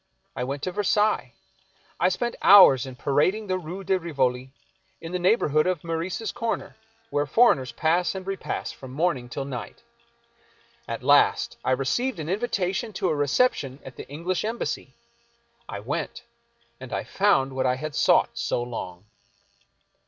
I went to Versailles. I spent hours in parading the Rue de Rivoli, in the neighborhood of Meurice's corner, where foreigners pass and repass from morning till night. At last I received an invitation to a reception at the English Em bassy. I went, and I found what I had sought so long.